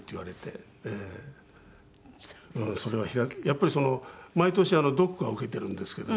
やっぱりその毎年ドックは受けているんですけども。